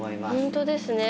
本当ですね。